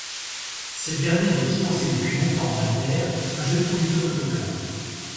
Cette dernière est fiancée depuis longtemps à Albert, un jeune conducteur d'autocar.